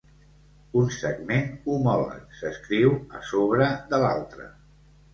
Un segment homòleg s"escriu a sobre de l"altre.